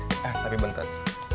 eh tapi bentar